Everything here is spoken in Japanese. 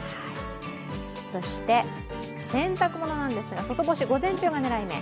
そして洗濯物なんですが外干し、午前中が狙い目。